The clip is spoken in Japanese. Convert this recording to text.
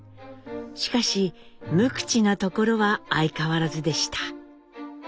しかし無口なところは相変わらずでした。